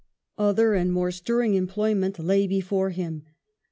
Other and more stirring employment lay before him.